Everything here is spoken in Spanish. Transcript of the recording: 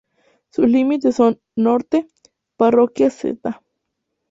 Sus límites son: Norte: Parroquias Sta.